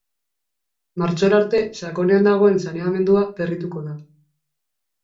Martxora arte, sakonean dagoen saneamendua berrituko da.